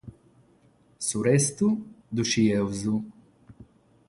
Su restu l'ischimus.